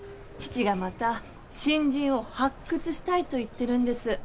父がまた新人を発掘したいと言ってるんです。